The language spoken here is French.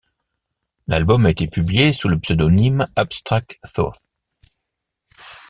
L'album a été publié sous le pseudonyme Abstract Thought.